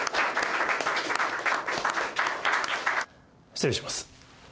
失礼します。